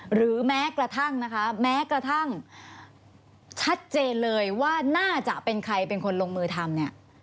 หรือแม้กระทั่งนะคะแม้กระทั่งชัดเจนเลยว่าน่าจะเป็นใครเป็นคนลงมือทำเนี่ย